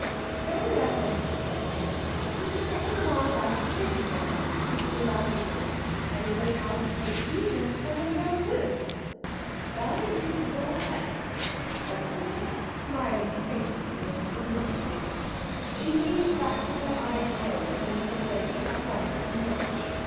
"Very well, then, Mrs. Vereker. As soon as ever mamma and I have shaken down, we'll see about Iggulden's; and if they can't take you somebody else will." "I am in your hands," said the Goody, smiling faintly and submissively. She leaned back with her eyes closed, and was afraid she had done too much.